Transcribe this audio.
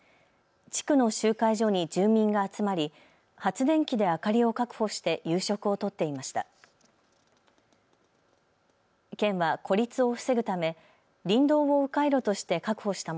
地区の集会所に住民が集まり発電機で明かりを確保して夕食をとっていました。